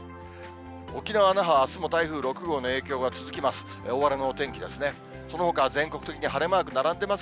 沖縄・那覇、あすも台風６号の影響が続きます。